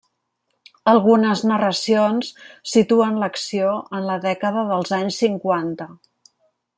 Algunes narracions situen l'acció en la dècada dels anys cinquanta.